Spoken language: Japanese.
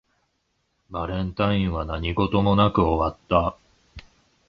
バレンタインは何事もなく終わった